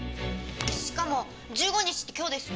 しかも１５日って今日ですよ。